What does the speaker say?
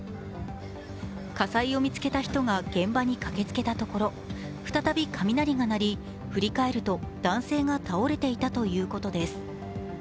火災を見つけた人が現場に駆けつけたところ再び雷が鳴り振り返ると男性が倒れていたということです。